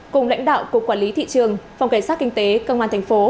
cùng lãnh đạo cục quản lý thị trường phòng cảnh sát kinh tế công an tp cnh